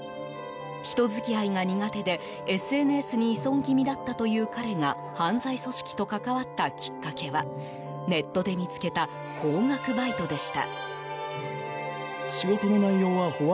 人付き合いが苦手で、ＳＮＳに依存気味だったという彼が犯罪組織と関わったきっかけはネットで見つけた高額バイトでした。